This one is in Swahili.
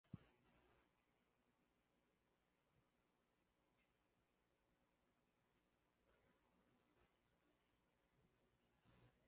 pamoja na Karachais Balkars Kuna idadi ya watu wanaozungumza